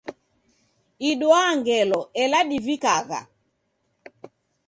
Idwaa ngelo ela divikagha.